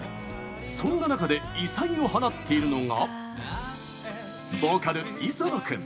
そんな中で異彩を放っているのがボーカル・磯野くん。